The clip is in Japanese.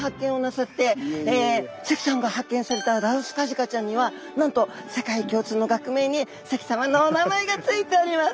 関さんが発見されたラウスカジカちゃんにはなんと世界共通の学名に関さまのお名前が付いております。